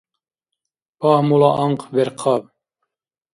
Пагьмула анхъ берхъаб!